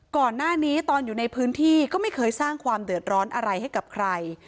ก่อนหน้านี้ตอนอยู่ในพื้นที่ก็ไม่เคยสร้างความเดือดร้อนอะไรให้กับใคร